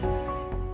kau lupa tidak